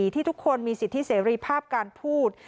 ที่ทุกคนมีสิทธิเสรีภาพการพูด